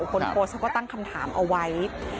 คนโพสต์เขาก็ตั้งคำถามเอาไว้